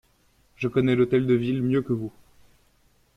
Je connais l'Hôtel de Ville mieux que vous!